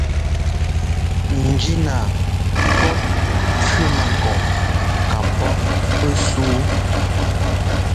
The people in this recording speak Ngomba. Njínaa pɔ̂p cẅímankɔʼ kapɔ́ pɛ́súu.